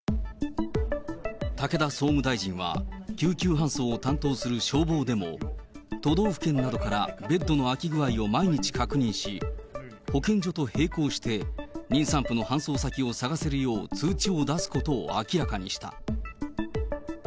武田総務大臣は、救急搬送を担当する消防でも、都道府県などからベッドの空き具合を毎日確認し、保健所と並行して妊産婦の搬送先を探せるよう通知を出すことを明らかにした。